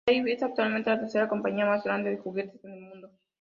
Bandai es actualmente la tercera compañía más grande de juguetes en el mundo.